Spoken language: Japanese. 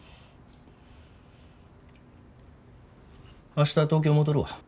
明日東京戻るわ。